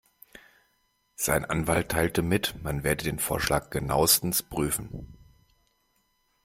Sein Anwalt teilte mit, man werde den Vorschlag genauestens prüfen.